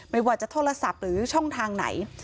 ไม่ว่าจะโทรศัพท์หรือช่องทางไหน